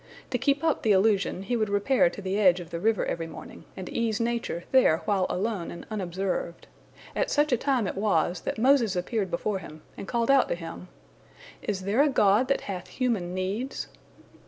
To keep up the illusion, he would repair to the edge of the river every morning, and ease nature there while alone and unobserved. At such a time it was that Moses appeared before him, and called out to him, "Is there a god that hath human needs?"